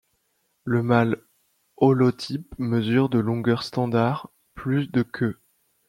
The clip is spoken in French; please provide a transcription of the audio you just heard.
Le mâle holotype mesure de longueur standard plus de queue.